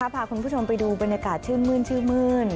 พาคุณผู้ชมไปดูบรรยากาศชื่นมื้นชื่นมื้น